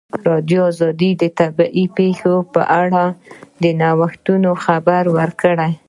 ازادي راډیو د طبیعي پېښې په اړه د نوښتونو خبر ورکړی.